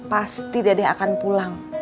pasti dede akan pulang